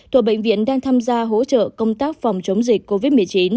tổ bệnh viện đang tham gia hỗ trợ công tác phòng chống dịch covid một mươi chín